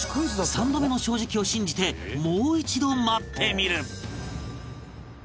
３度目の正直を信じてもう一度待ってみる